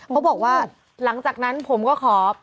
เขาบอกว่าหลังจากนั้นผมก็ขอ